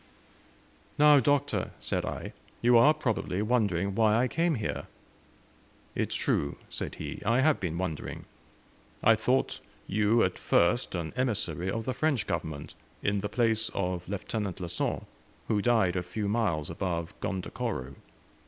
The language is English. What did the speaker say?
"Now, Doctor," said I, "you are, probably, wondering why I came here?" "It is true," said he; "I have been wondering. I thought you, at first, an emissary of the French Government, in the place of Lieutenant Le Saint, who died a few miles above Gondokoro.